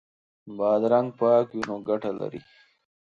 بادرنګ پاک وي نو ګټه لري.